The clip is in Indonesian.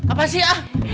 apa sih ah